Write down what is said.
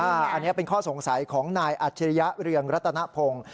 อันนี้เป็นข้อสงสัยของนายอัจฉริยะเรืองรัตนพงศ์